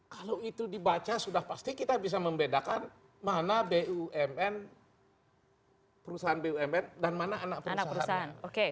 kalau itu dibaca sudah pasti kita bisa membedakan mana bumn perusahaan bumn dan mana anak perusahaannya